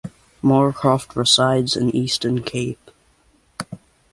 Moorcroft resides in Eastern Cape.